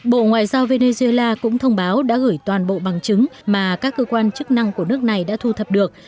bộ ngoại giao venezuela cũng thông báo đã gửi toàn bộ bằng chứng mà các cơ quan chức năng của nước này đã thu thập được